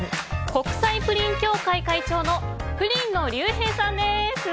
国際プリン協会会長のプリンの竜平さんです。